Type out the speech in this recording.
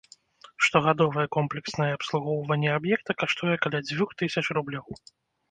Штогадовае комплекснае абслугоўванне аб'екта каштуе каля дзвюх тысяч рублёў.